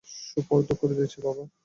সোপর্দ করে দিয়েছি, বাবা।